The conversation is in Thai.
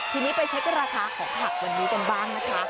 ทีนี้ไปเช็คราคาของผักวันนี้กันบ้างนะคะ